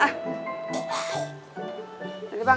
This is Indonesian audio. ah udah bang